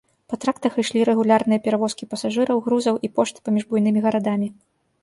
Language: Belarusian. Па трактах ішлі рэгулярныя перавозкі пасажыраў, грузаў і пошты паміж буйнымі гарадамі.